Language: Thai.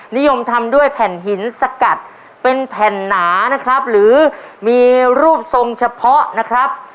นิยมทำด้วยแผ่นหินสกัดเป็นแผ่นหนานะครับหรือมีรูปทรงเฉพาะนะครับ